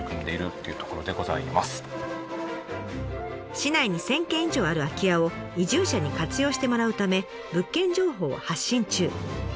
市内に１，０００軒以上ある空き家を移住者に活用してもらうため物件情報を発信中。